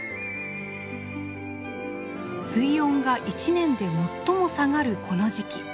水温が一年で最も下がるこの時期。